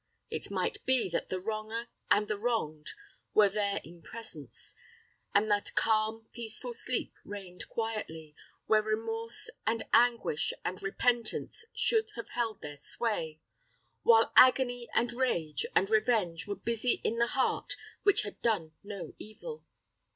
It might be that the wronger and the wronged were there in presence, and that calm, peaceful sleep reigned quietly, where remorse, and anguish, and repentance should have held their sway; while agony, and rage, and revenge were busy in the heart which had done no evil.